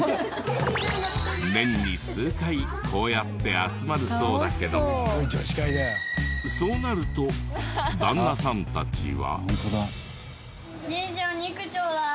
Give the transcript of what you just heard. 年に数回こうやって集まるそうだけどそうなると旦那さんたちは。